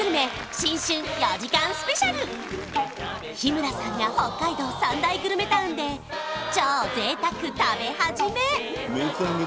新春４時間ＳＰ日村さんが北海道３大グルメタウンで超贅沢食べ初め！